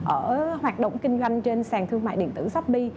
ở hoạt động kinh doanh trên sàn thương mại điện tử shopee